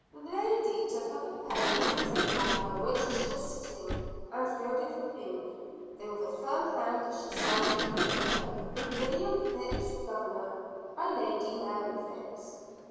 The lady took up a pen from the table by which she was sitting, and filled it with ink; then with a firm hand she signed the paper, "William Phips, Governor, by Lady Mary Phips."